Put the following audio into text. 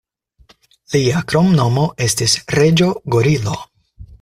Lia kromnomo estis 'Reĝo Gorilo'.